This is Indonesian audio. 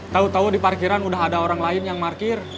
tau tau di parkiran udah ada orang lain yang markir